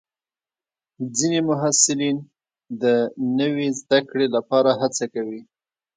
ځینې محصلین د نوي زده کړې لپاره هڅه کوي.